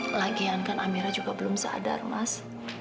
lagian kan amera juga belum sadar mas